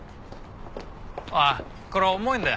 あっこれ重いんだよ。